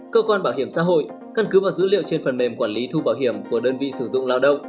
cơ quan bảo hiểm xã hội căn cứ vào dữ liệu trên phần mềm quản lý thu bảo hiểm của đơn vị sử dụng lao động